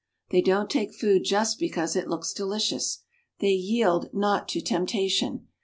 They don't take food just because it looks delicious. They "yield not to temptation."